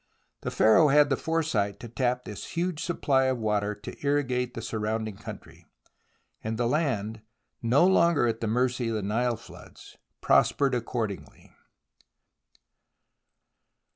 The Pharaoh had the foresight to tap this huge supply of water to irrigate the surrounding country, and the land, no longer at the mercy of the Nile floods, prospered accordingly.